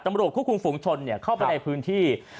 ตำรวจคู่คุงฝุงชนเข้าไปในพื้นที่